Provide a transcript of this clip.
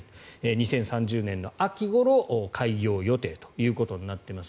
２０３０年秋ごろ開業予定となっています。